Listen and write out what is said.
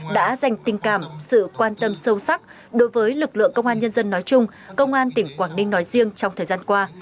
đã dành tình cảm sự quan tâm sâu sắc đối với lực lượng công an nhân dân nói chung công an tỉnh quảng ninh nói riêng trong thời gian qua